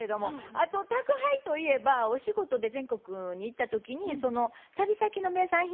あと宅配といえばお仕事で全国に行った時にその旅先の名産品なんかもね